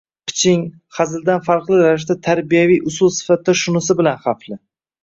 Piching, hazildan farqli ravishda, tarbiyaviy usul sifatida shunisi bilan xavfli.